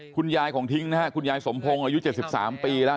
คุณยายของทิ้งนะฮะคุณยายสมพงศ์อายุ๗๓ปีแล้ว